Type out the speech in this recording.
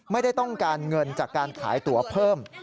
ไม่ได้ต้องการเงินจากการขายตัวเพิ่ม